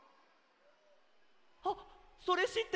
あっそれしってる！